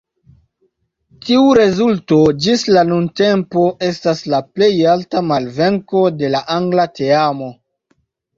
Tiu rezulto ĝis la nuntempo estas la plej alta malvenko de la angla teamo.